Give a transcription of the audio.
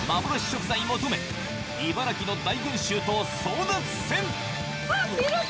食材求め茨城の大群衆と争奪戦！